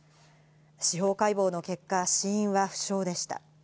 司法解剖の結果、死因は不詳でした。